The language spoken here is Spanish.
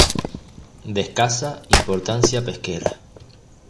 De escasa importancia pesquera.